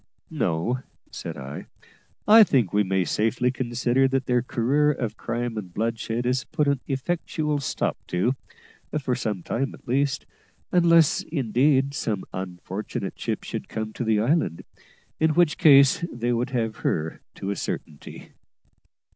"No," said I; "I think we may safely consider that their career of crime and bloodshed is put an effectual stop to, for some time at least; unless, indeed, some unfortunate ship should come to the island, in which case they would have her to a certainty."